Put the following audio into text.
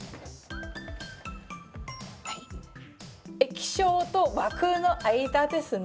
液晶と枠の間ですね。